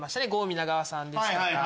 皆川さんですとか。